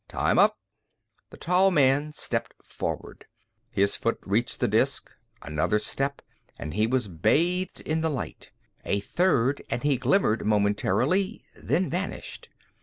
"Time up!" The tall man stepped forward. His foot reached the disk; another step and he was bathed in the light, a third and he glimmered momentarily, then vanished.